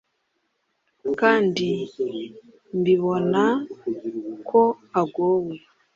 kandi mbibona ko agowe